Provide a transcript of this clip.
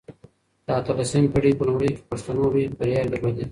د اته لسمې پېړۍ په لومړيو کې پښتنو لويې برياوې درلودې.